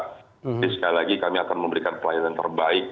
jadi sekali lagi kami akan memberikan pelayanan terbaik